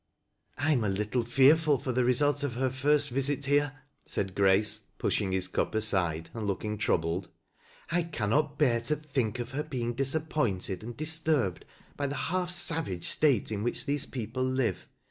" I am a little fearful for the result of her first visit here," said Grace, pushing his cup aside and looking troubled. " I cannot bear to think of her being disap pointed and disturbed by the half savage state in which these people live.